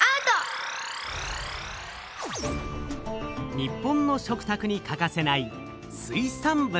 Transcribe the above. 日本の食たくに欠かせない水産物。